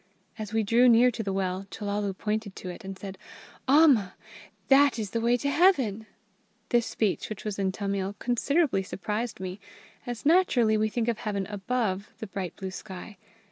As we drew near to the well, Chellalu pointed to it and said: "Amma! That is the way to Heaven!" This speech, which was in Tamil, considerably surprised me, as naturally we think of Heaven above the bright blue sky.